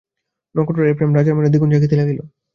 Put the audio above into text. নক্ষত্ররায়ের প্রেম রাজার মনে দ্বিগুণ জাগিতে লাগিল।